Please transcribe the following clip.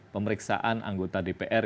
pemeriksaan anggota dpr